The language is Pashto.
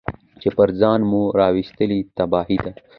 چي پر ځان مو راوستلې تباهي ده